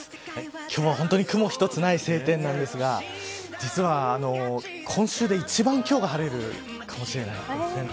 今日は、本当に雲一つない晴天なんですが実は今週で一番今日が晴れるかもしれない。